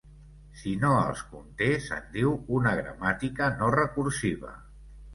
Si no els conté, se'n diu una gramàtica no recursiva.